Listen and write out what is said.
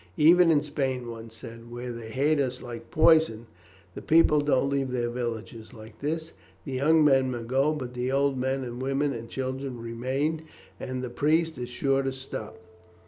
Even in Spain," one said, "where they hate us like poison, the people don't leave their villages like this. The young men may go, but the old men and the women and children remain, and the priest is sure to stop.